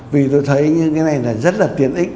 vì tôi thấy những cái này là rất là tiện ích